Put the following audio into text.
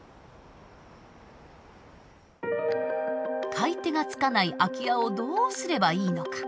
買い手がつかない空き家をどうすればいいのか。